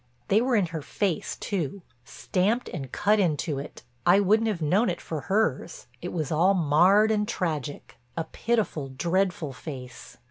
They were in her face, too, stamped and cut into it. I wouldn't have known it for hers, it was all marred and tragic, a pitiful, dreadful face.